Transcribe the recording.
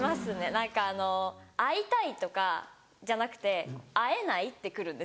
何かあの「会いたい」とかじゃなくて「会えない？」って来るんですよ。